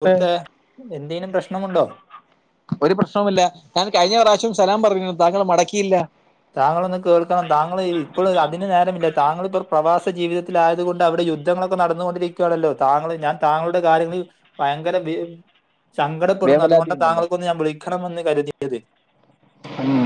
പുറത്താ എന്തേലും പ്രശ്നമുണ്ടോ? ഒരു പ്രശ്നൊല്ല ഞാൻ കയിഞ്ഞ പ്രാശ്യം സലാം പറഞ്ഞു താങ്കൾ മടക്കിയില്ല. താങ്കളൊന്ന് കേൾക്കണം താങ്കൾ ഇപ്പോൾ അതിന് നേരമില്ല താങ്കള്പ്പോൾ പ്രവാസ ജീവിത ലായത്‌കൊണ്ട് അവിടെ യുദ്ധങ്ങളൊക്കെ നടന്ന്കൊണ്ടിരിക്കാണല്ലോ താങ്ങള് ഞാൻ താങ്ങള്ടെ കാര്യങ്ങളിൽ ഭയങ്കര ബി സങ്കടപ്പെടുന്നു വേവലാതി അതുകൊണ്ടാ ഉണ്ടല്ലോ താങ്കൾക്കൊന്ന് ഞാൻ വിളിക്കണമെന്ന് കരുതിയത്. ഉം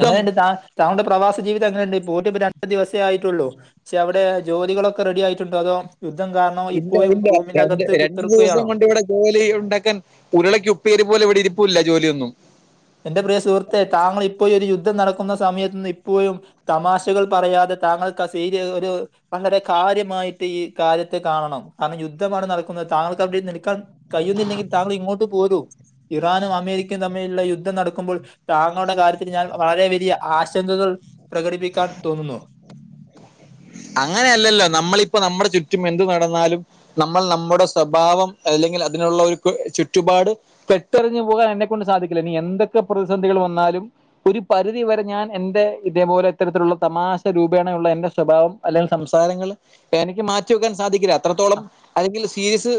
എങ്ങനെയുണ്ട് താ താങ്കുടെ പ്രവാസ ജീവിതം എങ്ങനെയുണ്ട് പോയി ട്ട് ഇപ്പ രണ്ട ദിവസേ ആയിട്ടുള്ളു പക്ഷെ അവിടെ ജോലികളൊക്കെ റെഡി ആയിട്ടുണ്ടോ അതോ യുദ്ധം കാരണം ഇല്ല ഇപ്പോയും റൂമിൻ്റകത്ത് കുത്തർക്കയോ? കൂലി യുണ്ടെകൻ ഉരുളക്കു പ്പേരി പോലെ ഇവിടെ ഇരിപ്പൂല്ല ജോലിയൊന്നും ന്റെ പ്രിയ സുഹൃത്തേ താങ്കൾ ഇപ്പോ യൊരു യുദ്ധം നടക്കുന്ന സമയത്തുനിന്ന് ഇപ്പോഴും തമാശകൾ പറയാതെ താങ്കൾക്കാസീരി ഒരു വളരെ കാര്യമായിട്ട് ഈ കാര്യത്തെ കാണണം കാരണം യുദ്ധമാണ് നടക്കുന്നത് താങ്കൾക്കവിടെ നിൽക്കാൻ കയ്യുന്നില്ലെങ്കി താങ്കൾ ഇങ്ങോട്ട് പോരൂ ഇറാനും അമേരിക്കയും തമ്മിലുള്ള യു ദ്ധം നടക്കുമ്പോൾ താങ്ങളുടെ കാര്യത്തിൽ ഞാൻ വളരെ വലിയ ആശങ്കകൾ പ്രകടിപ്പിക്കാൻ തോന്നുന്നു. അങ്ങനെയല്ലല്ലോ നമ്മളിപ്പം നമ്മടെ ചുറ്റും എന്തു നടന്നാലും നമ്മൾ നമ്മുടെ സ്വഭാവം അല്ലെങ്കിൽ അതിനുള്ള ഒരു ചുറ്റുപാട് പെട്ടെ റിഞ്ഞു പോകാൻ എന്നെക്കൊണ്ട് സാധിക്കില്ല ഇനി എന്തൊക്കെ പ്രതിസന്ധികൾ വന്നാലും ഒരു പരിധി വരെ ഞാൻ എ ന്റെ ഇതേപോലെ ഇത്തരത്തിലുള്ള തമാശ രൂപേണയുള്ള എന്റെ സ്വഭാവം അല്ലെങ്കിൽ സംസാരങ്ങൾ എനിക്ക് മാറ്റി വെക്കാൻ സാധിക്കില്ല അത്രത്തോളം അല്ലെങ്കിൽ സീരീസ്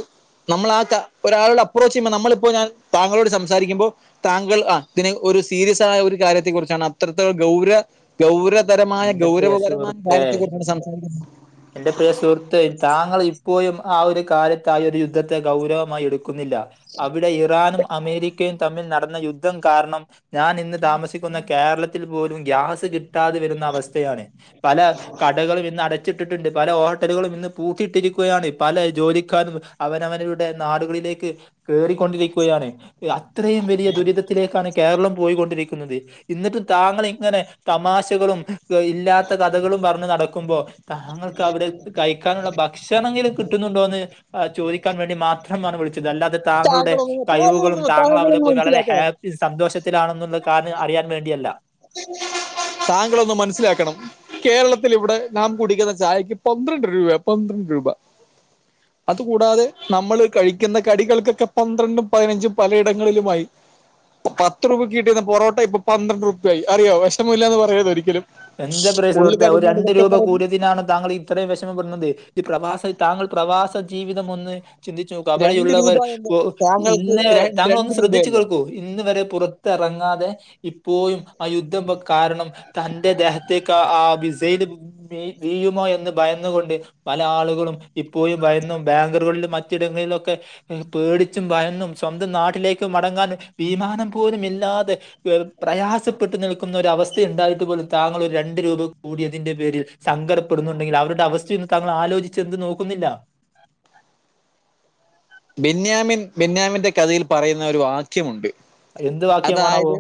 നമ്മൾ ആ ഒരാളോട് അപ്രോച്ച് ചെയ്യുമ്പോ നമ്മളിപ്പോ ഞാൻ താങ്കളോട് സംസാരിക്കുമ്പോൾ താങ്കൾ ആ ഇതിന് ഒരു സീരിസായ ആ ഒരു കാര്യത്തെ കുറിച്ചാണ് അത്രത്തോളം ഗൗര ഗൗരതരമായ എന്റെ പ്രിയ ഗൗരവപരമായ സുഹൃത്തെ കാര്യത്തെ കുറിച്ചാണ് സംസാരിക്കുന്നത് എന്റെ പ്രിയ സുഹൃത്തെ താങ്കൾ ഇപ്പോഴും ആ ഒരു കാലത്ത് ആ ഒരു യുദ്ധത്തെ ഗൗരവമായി എടുക്കുന്നില്ല അവിടെ ഇറാനും അമേരിക്കയും തമ്മിൽ നടന്ന യുദ്ധം കാരണം ഞാൻ ഇന്ന് താമസിക്കുന്ന കേരളത്തിൽ പോലും ഗ്യാസ് കിട്ടാതെ വരുന്ന അവസ്ഥയാണ് പല കടകളും ഇന്ന് അട വെച്ചിട്ടിട്ടുണ്ട് പല ഹോട്ടലുകളും ഇന്ന് പൂട്ടയിട്ടിരിക്കുകയാണ് പല ജോലിക്കാരും അവനവന് നാടുകളിലേക്ക് കേ റിക്കൊണ്ടിരിക്കുകയാണ് അത്രയും വലിയ ദുരിതത്തിലേക്കാണ് കേരളം പോയികൊണ്ടിരിക്കുന്നത് എന്നിട്ടും താങ്കൾ ഇങ്ങനെ തമാശകളും വ ഇല്ലാത്ത കഥകളും പറഞ്ഞു നടക്കുമ്പോൾ താങ്കൾക്ക് അവടെ കഴിക്കാനുള്ളഭ ഭക്ഷണമെങ്കിലും കിട്ടുന്നുണ്ടോ എന്ന് ചോദിക്കാൻ വേണ്ടി മാത്രം വിളിച്ചത് അല്ലാതെ താങ്കളുടെ താങ്കളൊന്ന് കഴിവുകളും താങ്കളൊന്ന് താങ്കൾ അവിടെ താങ്കളൊന്ന് പോയി വളരെ ഹാ മനസ്സിലാക്കണം ഇത് സന്തോഷത്തിലാണെന്നുള്ള കാരണം അറിയാൻ വേണ്ടിയല്ല [inaudible] താങ്കളൊന്ന് മനസ്സിലാക്കണം കേരളത്തിൽ ഇവിടെ നാം കുടിക്കുന്ന ചായക്ക് പന്ത്രണ്ട് രൂപ പന്ത്രണ്ട് രൂപ [inaudible] അതുകൂടാതെ നമ്മള് കഴിക്കുന്ന കടികൾക്കൊക്കെ പന്ത്രണ്ടും പതിനഞ്ചും പലയിടങ്ങളിലുമായി പത്ത് രൂപയ്ക്ക് കിട്ടു ന്ന പൊറോ ട്ട ഇപ്പൊ പന്ത്രണ്ട് രൂപ്യആയി അറിയോ വിഷമ ഇല്ലാന്ന് പറയല്ല് ഒരിക്കലും എന്താ പ്രിയ ഉള്ളു സുഹൃത്തേ ഒരു കലങ്ങാണ് രണ്ട് രൂപ ഇതൊക്കെ കൂട്യ തി നാണ് താങ്കൾഈ ഇത്രയും വിഷമപ്പെടുന്നത് ഈ പ്രവാസ താങ്കൾ പ്രവാസ ജീവിതം ഒന്ന് ചിന്തിച്ചുനോക്കുക അ രണ്ട് രൂപ ബടയുള്ളവർ എന്ന് താങ്കൾക്ക് ഇന്നെ വരെ ര- താങ്കൾ രണ്ട് ഒന്ന് ശ്രദ്ധിച്ചു രൂപയല്ലേ കേൾക്കൂ ഇന്ന് വരെ പുറത്തിറങ്ങാതെ ഇപ്പോഴും ആ യുദ്ധം കാരണം തൻ എന്റെ ദേഹത്തേക്ക് ആ മിസൈൽ വീഴുമോ എന്ന് ഭയന്നുകൊണ്ട് പല ആളുകളും ഇപ്പോഴും ഭയന്നും ബാങ്കുകളിലും മറ്റിടങ്ങളിലൊക്കെ പേടിച്ചും ഭയന്നും സ്വന്തം നാട്ടിലേക്ക് മടങ്ങാന് വിമാനം പോലുമി ല്ലാതെ പ്രയാസപ്പെട്ടു നിൽക്കുന്ന ഒര അവസ്ഥയ ഉണ്ടായിട്ട് പോലും താങ്കൾ ഒരു രണ്ട് രൂപ കൂടിയതിന്റെ പേരിൽ സങ്കരപ്പെടുന്നുണ്ടെങ്കിൽ അവരുടെ അവസ്ഥയൊന്നും താങ്കൾ ആലോചിച്ച് എന്ത് നോക്കുന്നില്ല ബെന്യാമിൻ ബെന്യാമിന്റെ കഥയിൽ പറയുന്ന ഒരു വാക്യമുണ്ട് എന്ത് വാക്യമാണാവോ അതായത്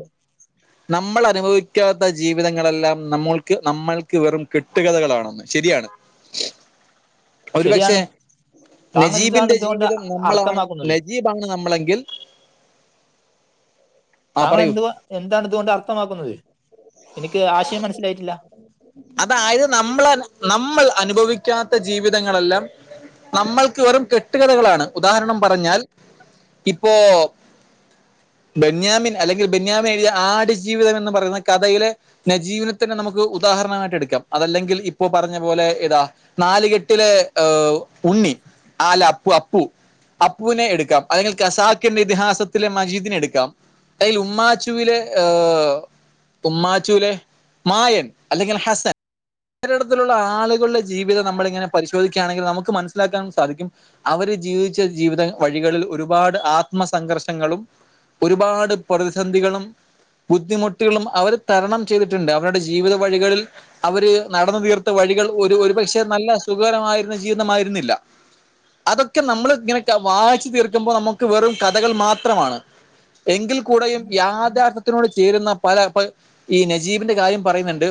നമ്മൾ അനുഭവിക്കാത്ത ജീവിതങ്ങളെല്ലാം നമ്മൾക്ക് നമ്മൾക്ക് വെറും കെട്ടുകഥകളാണെന്ന് ശരിയാണ് [inaudible] ഒരുപക്ഷെ ശരിയാണ് താങ്കൾ നജീ എന്താണ് ബിന്റെ ഇതുകൊണ്ട് ജീവിത നമ്മളാണ് അർത്ഥമാക്കുന്നത് നജീബാണ് നമ്മളെങ്കിൽ ആ താങ്കൾ പറയൂ എന്തുവാ എന്താണ് ഇതുകൊണ്ട് അർത്ഥമാക്കുന്നത് എനിക്ക് ആശയം മനസ്സിലായിട്ടി ല്ല അതായെത് നമ്മെൾ നമ്മെൾ അനുഭവിക്കാത്ത ജീവിതങ്ങൾ എല്ലാം നമ്മൾക്ക് വെറും കെട്ട് കഥകളാണ്. ഉദാഹരണം പറഞ്ഞാൽ ഇപ്പൊ ബെന്യാമിൻ അല്ലെങ്കിൽ ബെന്യാമി എഴു തിയ ആട് ജീവിതം എന്ന് പറയുന്ന കഥയിലെ ന ജീബിനെ ത്തന്നെ ന മുക്ക് ഉദാഹരണമായിട്ട് എടുക്കാം അതല്ലെങ്കിൽ ഇപ്പൊ പറഞ്ഞ പോലെ ഏതാ നാലുകെട്ടിലെ ഏ ഉണ്ണി ആല അപ്പു അപ്പു അപ്പുവിനെ എടുക്കാം അല്ലെങ്കിൽ കസാഖിന്റെ ഇതിഹാസത്തിലെ മജീദിനെ എടുക്കാം അതിൽ ഉമ്മാച്ചുവിലെ ഉമ്മാചു ചൂലെ മായൻ അല്ലെങ്കിൽ ഹസൻ ഒരിടത്തിലുള്ള ആളുകളുടെ ജീവിതം നമ്മളി ങ്ങനെ പരിശോധിക്കുകണെങ്കിൽ നമുക്ക് മനസിലാക്കാൻ സാധിക്കും അവര് ജീവിച്ച ജീവിത വഴികളിൽ ഒരുപാട് ആത്മസഘർഷങ്ങളും ഒര്പാട് പ്രതിസന്ധികളും ബുദ്ധിമുട്ട്കളും അവര് തരണം ചെയ്തിട്ടുണ്ട് അവരുടെ ജീവിത വഴികളിൽ അവര് നടന്ന തീർത്ത വഴികൾ ഒരു ഒരുപക്ഷെ നല്ല സുഖകരമായിരുന്ന ജീവിതമായിരുന്നില്ല. അതൊക്കെ നമ്മൾ ഇങ്ങനെ ഒക്കെ വാശി തീർക്കുമ്പോൾ നമുക്ക് വെറും കഥകൾ മാത്രമാണ്. എങ്കിൽ കൂടെയും യാഥാർത്ഥ്യത്തിനോട് ചേരുന്ന പല ഈ നജീബിന്റെ കാര്യം പറയുന്നുണ്ട്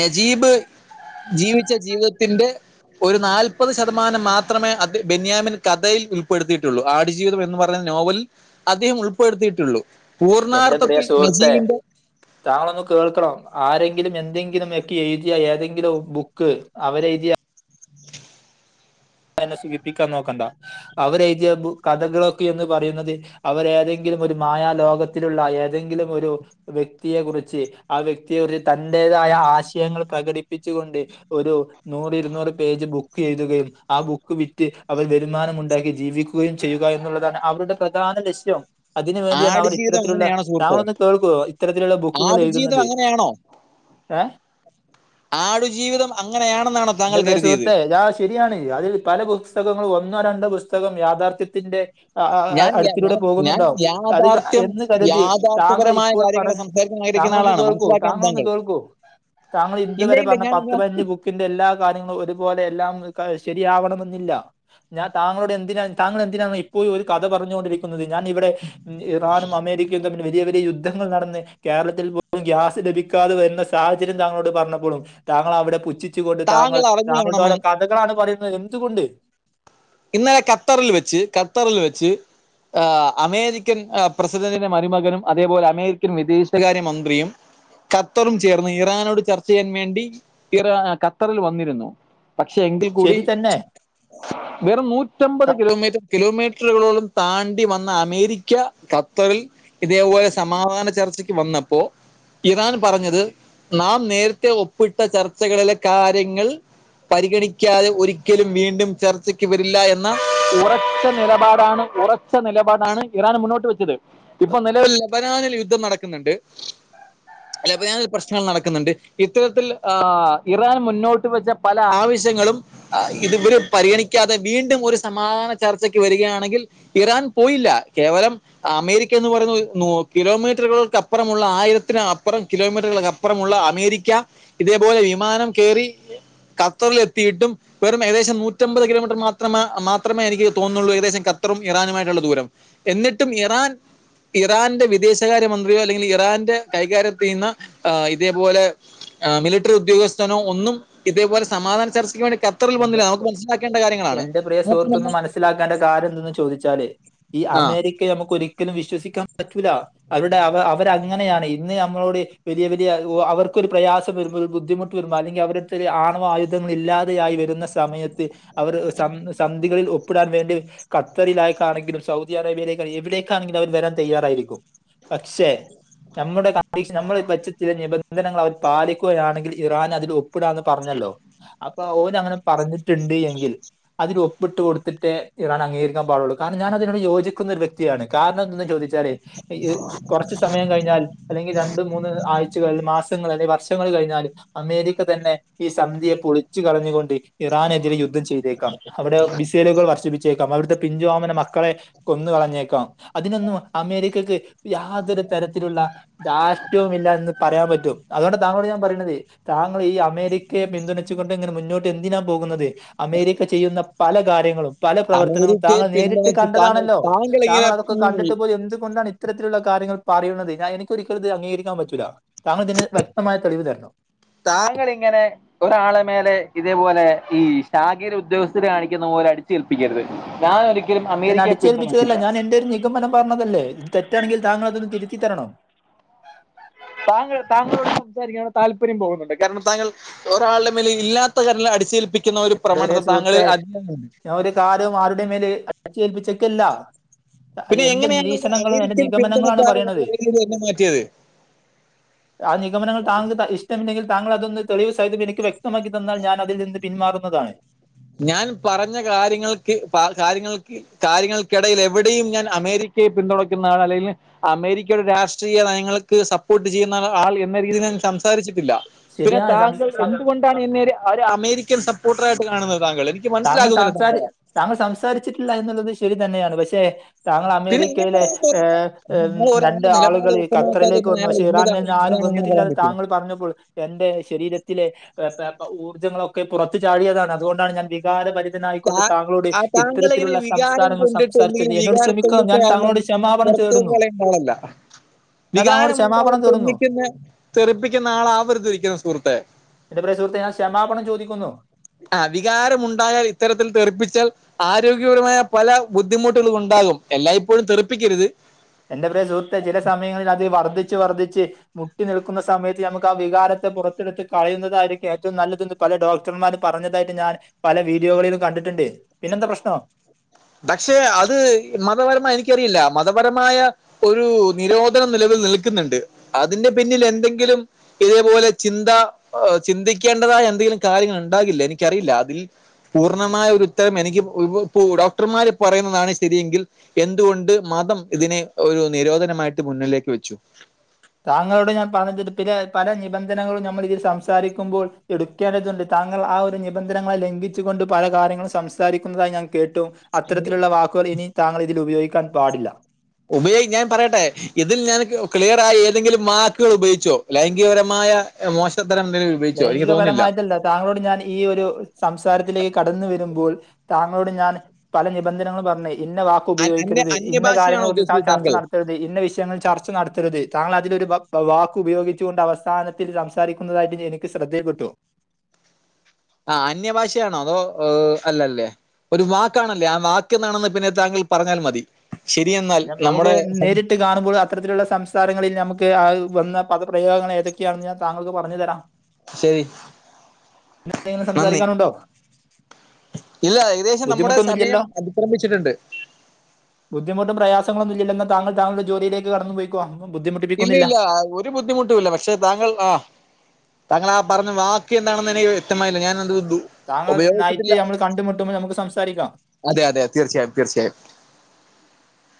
നജീബ് ജീവിച്ച ജീവിതത്തിന്റെ ഒരു നാല്പത് ശതമാനം മാത്രമേ അത് ബെന്യാമിൻ കഥയിൽ ഉൾപ്പെടുത്തിയിട്ടുള്ളൂ. ആട് ജീവി ജീവിതം എന്ന് പറയുന്ന നോവൽ അദ്ദേഹം ഉൾപ്പെടുത്തിയിട്ടുള്ളൂ പൂർണ്ണാർത്ഥത്തിൽ നജീബിന്റെ താങ്കൾ ഒന്ന് കേൾക്കണം. ആരെങ്കിലും എന്തെങ്കിലും ഒക്കെ എഴുതിയ ഏതെങ്കിലും ബുക്ക് അവരെ എഴുതിയ എന്നെ സൂഖിപ്പിക്കാൻ നോക്കണ്ട. അവരെ എഴുതിയ [unintelligible] കഥകളൊക്കെ എന്ന് പറയുന്നത് അവർ ഏതെങ്കിലും ഒരു മായാ ലോകത്തിലുള്ള ഏതെങ്കിലും ഒരു വ്യക്തിയെ കുറിച്ച് ആ വ്യക്തി ഒരു തന്റേതായ ആശയങ്ങൾ പ്രകടിപ്പിച്ചുകൊണ്ട് ഒരു നൂറ് ഇരുന്നൂറ് പേജ് ബുക്ക് എഴുതുകയും ആ ബുക്ക് വിറ്റ് അവർ വരുമാനം ഉണ്ടാക്കി ജീവിക്കുകയും ചെയ്യുക എന്നുള്ളതാണ് അവരുടെ പ്രധാന ലക്ഷ്യം. അതിന് വേണ്ടിയാണ് അവർ ആടുജീവിതം ഇത്തരത്തിലുള്ള അങ്ങനെയാണോ സുഹൃത്തെ താങ്കൾ ഒന്ന് കേൾക്കോ ഇത്തരത്തിലുള്ള ബുക്കുകൾ ആടുജീവിതം എഴുതുന്നത്. അങ്ങനെയാണോ ഏഹ് ആടുജീവിതം അങ്ങനെ ആണന്നാണൊ എന്റെ താങ്കൾ പ്രിയ കരുതിയത്. സുഹൃത്തെ ആ ശരിയാണ് അതിൽ പല പുസ്തകങ്ങളും ഒന്നോ രണ്ടോ പുസ്തകം യാഥാർത്ഥ്യത്തിന്റെ ആ ഞാൻ യ- ആഅടുത്തലൂടെ ഞാൻ ഞാൻ പോകുന്നുണ്ടാവും അത് യാഥാർത്ഥ്യം എന്ന് കരുതി താങ്കൾ യാഥാർത്ഥ്യപരമായ ഇപ്പോൾ കാര്യങ്ങളെ പറഞ്ഞ സംസാരിക്കാൻ താങ്കൾ ആഗ്രഹിക്കുന്ന ഒന്ന് ആളാണ് കേൾക്കൂ മനസ്സിലാക്കണം താങ്കൾ ഒന്ന് കേൾക്കൂ താങ്കൾ ഇത് ഇല്ല വരെ ഇല്ല പറഞ്ഞ ഞാൻ പത്ത് ഞാൻ- പതിനഞ്ച് ബു ക്ക് എന്റെ എല്ലാ കാര്യങ്ങളും ഒരുപോലെ എല്ലാം [unintelligible] ശരിയാവണമെന്നില്ല ഞാൻ താങ്കളോട് എന്തിന താങ്കൾ എന്തിനാണ് ഇപ്പോഴും ഒരു കഥ പറഞ്ഞൊണ്ടിരി വന്നത് ഞാൻ ഇവടെ ഇറാനും അമേരിക്കിം തമ്മി വലിയ വലിയ യുദ്ധങ്ങൾ നടന്ന് കേരളത്തിൽ പോലും ഗ്യാസ് ലഭിക്കാതെ വര്ന്ന സാഹചര്യം താങ്കളോട് പറഞ്ഞപ്പോളും താങ്കൾ അവിടെ പുച്ഛിച് കൊണ്ട് താങ്കൾ അറിഞ്ഞു താങ്കളുടെ കാണണം ഓരോ കഥകളാണ് പറയുന്നത് എന്ത്കൊണ്ട് ഇന്നലെ ഖത്തറിൽ വെച്ച് ഖത്തറിൽ വെച്ച് ആഹ് അമേരിക്കൻ പ്രസിഡന്റിന്റെ മരുമകനും അതേപോലെ അമേരിക്കൻ വിദേശകാര്യ മന്ത്രിയും ഖത്തറും ചേർന്ന് ഇറാനോട് ചർച്ച ചെയ്യാൻ വേണ്ടി ഇറാ ഖത്തറിൽ വന്നിരുന്നു പക്ഷെ എങ്കിൽ കൂടി ശരി തന്നെ വെറും നൂറ്റാമ്പത് കിലോമീറ്റർ കിലോമീറ്ററുകളോളം താണ്ടി വന്ന അമേരിക്ക ഖത്തറിൽ ഇതേപോലെ സമാധാന ചർച്ചയ്ക്ക് വന്നപ്പോൾ ഇറാൻ പറഞ്ഞത് നാം നേരത്തെ ഒപ്പിട്ട ചർച്ചകളിലെ കാര്യങ്ങൾ പരിഗണിക്കാതെ ഒരിക്കലും വീണ്ടും ചർച്ച വരില്ല എന്ന ഉറച്ച നിലപാട് ആണ് ഉറച്ച നിലപാടാണ് ഇറാൻ മുന്നോട്ട് വെച്ചത്. ഇപ്പൊ നിലവിൽ ലെബനാനിൽ യുദ്ധം നടക്കുന്നുണ്ട്. അല്ലെ ലെബനാനിൽ പ്രശ്നം നടക്കുന്നുണ്ട്. ഇത്തരത്തിൽ ഇറാൻ മുന്നോട്ട് വെച്ച പല ആവശ്യങ്ങളും ആ ഇത് ഇവര് പരിഗണി [unintelligible] വീണ്ടും ഒരു സമാധാന ചർച്ചയ്ക്ക് വരികയാണെങ്കിൽ ഇറാൻ പോയില്ല. കേവലം അമേരിക്ക എന്ന് പറയുന്നത് [unintelligible] കിലോമീറ്ററുകള്ക്കപ്പറമുള്ള ആയിരത്തിന് അപ്പറം കിലോ മീറ്ററുകൾക്ക് അപ്പറമുളള അമേരിക്ക ഇതേപോലെ വിമാനം കേറി ഖത്തറ്ല് എത്തിയിട്ടും വെറും ഏകദേശം നൂറ്റമ്പത് കിലോമീ മാത്രമേ മാത്രമേ എനിക്ക് തോന്നുന്നുള്ളൂ ഏകദേശം ഖത്തറും ഇറാനുമായിട്ടുള്ള ദൂരം എന്നിട്ടും ഇറാൻ ഇറാൻ ന്റെ വിദേശകാര്യ മന്ത്രിയോ അല്ലെങ്കിൽ ഇറാന്റെ കൈകാര്യം [unintelligible] ആഹ് ഇതേപോലെ! മിലിട്ടറി ഉദ്യോഗസ്ത്തനോ ഒന്നും ഇതേപോലെ സമാധാന ചർച്ചക്ക് വേണ്ടി ഖത്തറിൽ എന്റെ വന്നില്ല. നമുക്ക് മനസ്സിലാക്കേണ്ട [unintelligible] കാര്യങ്ങളാണ് എന്റെ പ്രിയ സുഹൃത്തൊന്ന് [unintelligible] മനസ്സിലാക്കേണ്ട കാരണം എന്തെന്ന് ചോദിച്ചാല് ഈ ആ അമേരിക്കയെ നമുക്ക് ഒരിക്കലും വിശ്വസിക്കാൻ പറ്റൂല. അവരുടെ അവ അവർ അങ്ങനെയാണ്. ഇന്ന് നമ്മളോട് വലിയ വലിയ അവർക്കൊരു പ്രയാസം ബുദ്ധിമുട്ട് [unintelligible] ഒരു ആണവ ആയുധം ഒന്നുല്ല യായി വരുന്ന സമയത്ത് അവർ സൻ സന്ധികളിൽ ഒപ്പിടാൻ വേണ്ടി കത്തറിലേക്കാണെങ്കിലും സൗദി അറേബിയിലേക്കായാലും എവിടേക്കാണെങ്കിലും അവർ വരാൻ തയ്യാറായിരിക്കും പക്ഷേ നമ്മുടെ കണ്ടീഷ ൻനമ്മളെ വച്ച ചില നമ്മടെനിബന്ധനകൾ അവർ പാലിക്കുകയാണെങ്കിൽ ഇറാൻ അതിൽ ഓപ്പിടാന്ന് പറഞ്ഞല്ലോ അപ്പൊ ഓന് അങ്ങനെ പറഞ്ഞിട്ട്ണ്ട് എങ്കിൽ അതിൽ ഒപ്പിട്ട് കൊടുത്തിട്ടേ ഇറാൻ അംഗീകരിക്കാ പാടൊള്ളൂ കാരണം ഞാനതിനോട് യോജിക്കുന്നൊരു വ്യക്തിയാണ് കാരണം എന്തെന്ന് ചോദിച്ചാലേ കുറച്ച് സമയം കഴിഞ്ഞാൽ അല്ലെങ്കിൽ രണ്ട് മൂന്ന് ആഴ് ച്ചകൾ മാസങ്ങൾ അല്ലെ വർഷങ്ങള് കഴിഞ്ഞാല് അമേരിക്ക തന്നെ ഈ സന്ധ്യയെ പൊളിച്ച് കളഞ്ഞ് കൊണ്ട് ഇറാാനെതിരെ യുദ്ധം ചെയ്തേക്കാം അവിടെ ബിസൈലുകൾ വർഷിപ്പിച്ചേക്കാം അവിടുത്തെ പിഞ്ചോമന മക്കളെ കൊന്ന് കളഞ്ഞേക്കാ അതിനൊന്നും അമേരിക്കക്ക് യാതൊരു തരത്തിലുള്ള ടാഷ്ട്യവുഇല്ല എന്ന് പറയാൻ പറ്റും അതുകൊണ്ട് താങ്കളോട് ഞാൻ പറയണത് താങ്കൾ ഈ അമേരിക്കയെപിന്തുണച്ചുകൊണ്ട് ഇങ്ങനെ മുന്നോട്ട് എന്തിനാ പോകുന്നത് അമേരിക്ക ചെയ്യുന്ന പല കാര്യങ്ങളും പല പ്രവർത്തനങ്ങളും അമേരിക്കയെ താങ്ങൾ നേരിട്ട് പിന്തുണച്ച് താങ്കൾ കണ്ടതാണല്ലോ താങ്കൾ ഇങ്ങനെ താങ്കളതൊക്കെ കണ്ടിട്ട്പ്പോ എന്ത്‌കൊണ്ടാണ് ഇ ഇത്തരത്തിലുള്ള കാര്യങ്ങൾ പറയുന്നത് ഞാന് എനിക്ക്ഒരിക്കലുംഇത് അംഗീകരിക്കാൻ പറ്റില്ല താങ്കൾ ഇതിന് വ്യക്തമായ തെളിവ് തരണം താങ്ങള് ഇങ്ങനെ ഒരാളെ മേലെ ഇതേപോലെ ഈ ഷാഖിർ ഉദ്യോഗസ്ഥര് കാണിക്കുന്ന പോലെ അടിച്ചേൽപ്പിക്കരുത് ഞാനൻ ഒ ഞാനടിച്ചേൽപ്പിച്ചതല്ല ഞാൻ എന്റൊരു നിഗമനം പറഞ്ഞതല്ലേ ഇത് തെറ്റണെങ്കിൽ താങ്കളതൊന്ന് തിരുത്തിത്തരണം താങ്ങൾ താങ്ങളോട് സംസാരിക്കന്ള്ള താല്പര്യം പോകുന്നുണ്ട് കാരണം താങ്ങള് ഒരാളുടെ മേൽ ഇല്ലാത്ത കരൽ അടിച്ചേൽപ്പിക്കുന്ന ഒരു പ്രവണത താങ്കൾ അതി ധികാരം ആരുടെ മേല് അടിച്ചേൽപ്പിച്ചക്കല്ല പിന്നെ എങ്ങനെയാണ് ഒരു എന്റെനിരീക്ഷണങ്ങളും എന്റെ അമേരിക്കൻ നിഗമനങ്ങളണ് പിന്തുണക്കാരൻ പറയണത് എന്ന രീതിയിൽ എന്നെ മാറ്റിയത് ആ നിഗമനങ്ങൾ താങ്കൾ ത ഇഷ്ടമില്ലെങ്കിൽ താങ്കളതൊന്ന് തെളിവ് സാഹിതം എനിക്ക് വ്യക്തമാക്കി തന്നാ ഞാൻ അതിൽ നിന്ന് പിന്മാറും അതാണ് ഞാൻ പറഞ്ഞ കാര്യങ്ങൾക്ക് പ കാര്യങ്ങൾക്ക് കാര്യങ്ങൾക്കിടയിൽ എവിടെയും ഞാൻ അമേരിക്കയെ പിന്തുടക്കുന്നതാണ് അല്ലെങ്കിൽ അമേരിക്കയുടെ രാഷ്ട്രീയ നയങ്ങൾക്ക് സപ്പോർട്ട് ചെയ്യുന്നാ ആള് എന്ന രീതിയിൽ ഞാൻ സംസാരിച്ചിട്ടില്ല പിന്നെ ശരിയാണ് താങ്കൾ സം- എന്തുകൊണ്ടാണ് പിന്നെ ഒരു അമേരിക്കൻ സപ്പോർട്ടർ ആയിട്ട് കാണുന്നത് താങ്കള് താങ്ങൾസംസാരി താങ്കൾ സംസാരിച്ചിട്ടില്ല എന്നുള്ളത് ശരി തന്നെയാണ് പക്ഷെ താങ്കള് പിന്നെ അമേരിക്കയിലെ എങ്ങനെയാണ് ഏഹ് ഏഹ് ഒരാൾ രണ്ട് ഒരാളുടെ നിലപാട് ആളുകള് വ്യക്തമാക്കാതെ ഖത്തറിലേക്ക് പിന്നെ വന്നു അയാൾ പക്ഷേ ഇറാന് ഇന്നതാണ് ആരും ഇന്നതാണ് അങ്ങനെ പറയാൻ വന്നിട്ടില്ലാന്ന് പറ്റും താങ്ങൾ പറഞ്ഞപ്പോള് എന്റെ ശരീരത്തിലെ ഏഹ് പെ പ്പ ഊർജ്ജങ്ങളൊക്കെ പുറത്തു ചാടിയതാണ് അതുകൊണ്ടാണ് ഞാൻ വികാരപരി താ ആഹ് താങ്കളിങ്ങനെ വികാരം സംസാരങ്ങൾ കൊണ്ടിട്ട് സംസാരിച്ചത്. ഏതെങ്കിലും എന്നോട് ക്ഷമിക്കണം. ഞാൻ വികാരത്തുള്ളിച്ചയാണ്‌ താങ്കളോട് ക്ഷമാപണം തേടുന്നു. പുറത്തെപോലെ ഇൻവോളല്ല ഞാൻ താങ്കളോട് വികാരമുണ്ടായാൽ ക്ഷമാപണം തേടുന്നു. തെന്നിക്കുന്ന തെറിപ്പിക്കുന്ന ആളാവരുത് ഇരിക്കുന്ന സുഹൃത്തെ എന്റെ പ്രിയ സുഹൃത്തേ ഞാൻ ക്ഷമാപണം ചോദിക്കുന്നു അവികാരമു ണ്ടായാ ല് ഇത്തരത്തിൽ തെറ്റപ്പിച്ചാൽആരോഗ്യപരമായ പല ബുദ്ധിമുട്ടുകളും ഉണ്ടാകും എല്ലാ ഇപ്പോഴും തെറപ്പിക്കരുത് എന്റെ പ്രിയ സുഹൃത്തെ ചില സമയങ്ങളിൽ അത് വർദ്ധിച്ച് വർദ്ധിച്ച് മുട്ടി നിൽക്കുന്ന സമയത്ത് നമുക്ക് ആ വികാരത്തെ പുറത്തെടുത്ത് കളയുന്നതായിരിക്കും ഏറ്റവും നല്ലതന്ന് പല ഡോക്ടർമാര് പറഞ്ഞതായിട്ട് ഞാൻ പല വീഡിയോകളിലും കണ്ടിട്ടുണ്ട് പിന്നെന്താ പ്രശ്നം പക്ഷെ അത് മതപരമായ എനിക്കറിയില്ല മതപരമായ ഒരു നിരോധനം നിലവിൽ നിൽക്ക്ന്ന്ണ്ട് അതിന്റെ പിന്നിൽ എന്തെങ്കിലും ഇതേപോലെ ചിന്ത ചിന്തിക്കേണ്ടതായ എന്തേലും കാര്യങ്ങള്ണ്ടാകില്ല എനിക്കറിയില്ല അതിൽ പൂർണമായൊര് ഉത്തരം എനിക്ക് [unintelligible] ഡോക്ടർമാര് പറയ്ന്നതാണ് ശരിയെങ്കിൽ എന്തുകൊണ്ട് മതം ഇതിനെ ഒരു നിരോധനമായിട്ട് മുന്നിലേക്ക് വെച്ചു താങ്ങളോട് ഞാൻ പറഞ്ഞിട്ട്ട്ട് പിന്നെ പല നിബന്ധനകളും നമ്മള് ഇതിൽ സംസാരിക്കുമ്പോൾ എട് ക്കേണ്ടതുണ്ട് താങ്കൾ ആ ഒരു നിബന്ധനങ്ങളെ ലംഘിച്ച്കൊണ്ട് പല കാര്യങ്ങളും സംസാരിക്കുന്നതായി ഞാൻ കേട്ടു അത്തരത്തില്ള്ള വാക്കുകൾ ഇനി താങ്ങൾ ഇതിൽ ഉപയോഗിക്കാൻ പാടില്ല ഉമയ് ഞാൻ പറയട്ടെ ഇതിൽ ഞാൻ ക്ലിയറായി ഏതെങ്കിലും വാക്കുകള് ഉപയോഗിച്ചൊ. ലൈംഗീകപരമായ മോശത്തരം ഉപയോകിച്ചൊ. പയൊഗിച്ചൊ എനിക്ക് തോന്നില്ല ലൈംഗികപരമായിട്ടല്ല താങ്കളോട് ഞാൻ ഈ ഒരു സംസാരത്തിലേക്ക് കടന്ന് വര്മ്പോൾ, താങ്കളോട് ഞാൻ. പല നിബന്ധനകളും പറഞ്ഞ് ഇന്ന വാക്ക് അന്യ ഉപയോഗിക്കരുത് ഇന്ന കാര്യങ്ങളെ അന്യഭാഷയാണോ കുറ്ച്ച് ഉദ്ദേശിച്ചത് ചർച്ച താങ്കൾ നടത്തരു ഇന്ന വിഷയങ്ങൾ ചർച്ച നടത്തരുത് താങ്കൾ അതിലൊരു വാക്ക് ഉപയോഗിച്ചുകൊണ്ട് അവസാനത്തിൽ സംസാരിക്കുന്നതായിട്ട് എനിക്ക് ക്ക് ശ്രദ്ധയിൽ പെട്ടു ആഹ് അന്യ ഭാഷയാണൊ അതോ ഏഹ് അല്ലല്ലെ ഒരു വാക്കാണല്ലെ ആഹ് വാക്ക് എന്താണെന്ന് പിന്നെ താങ്കൾ പറഞ്ഞാൽ മതി ശരിയെന്നാൽ നമ്മടെ കാണുമ്പോള് അത്തരത്തിലുള്ള സംസാരങ്ങളിൽ ഞമ്മക്ക് വന്ന പദപ്രയോഗങ്ങളേതൊക്കെയാണെന്ന് ഞാൻ താങ്കൾക്ക് പറഞ്ഞ് തരാം ശയ് [unintelligible] സംസാരിക്കാനുണ്ടൊ? ഇല്ല ഏകദേശം നമ്മുടെ ബുദ്ധിമുട്ടൊന്നും സമയം ഇല്ലല്ലോ അതിക്രമിച്ചിട്ട്ണ്ട്. ബുദ്ധിമുട്ടും പ്രയാസങ്ങളൊന്നും ഇല്ലല്ലൊ താങ്കൾ താങ്കളുടെ ജോലിയിലേക്ക് കടന്നുപൊയ്ക്കൊ ഇല്ലില്ലാ ഒരു ബുദ്ധിമുട്ടൂല്ല. പക്ഷെ താങ്കൾ ആഹ്. താങ്കൾ ആഹ് പറഞ്ഞ വാക്ക് എന്താണെന്ന് എനിക്ക് വ്യക്തമായില്ല ഞാൻ അത് ടു താങ്കൾ നൈറ്റ് ഞമ്മള് കണ്ടുമുട്ടുമ്പൊൾ നമക്ക് സംസാരിക്കാം അതെ അതെ തീർച്ചയായും തീർച്ചയായും